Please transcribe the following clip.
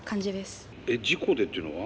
事故でっていうのは？